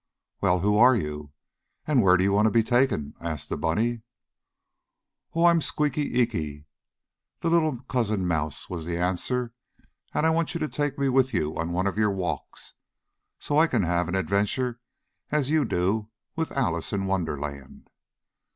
"Well, who are you, and where do you want to be taken?" asked the bunny. "Oh, I'm Squeaky Eeky, the little cousin mouse," was the answer, "and I want you to take me with you on one of your walks, so I can have an adventure as you do with Alice in Wonderland."